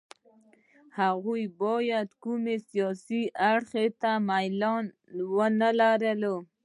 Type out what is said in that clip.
هغوی باید کوم سیاسي اړخ ته میلان ونه لري.